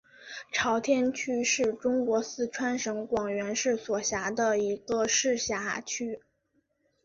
朝天区是中国四川省广元市所辖的一个市辖区。